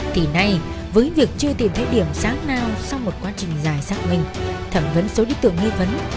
thì nay với việc chưa tìm thấy điểm sáng nào sau một quá trình dài xác minh thẩm vấn số đối tượng nghi vấn